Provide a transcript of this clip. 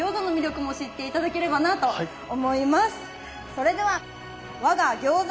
それでは我が餃子